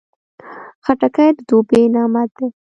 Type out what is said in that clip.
خټکی د دوبی نعمت دی.